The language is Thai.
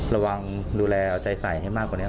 ระวังดูแลเอาใจใส่ให้มากกว่านี้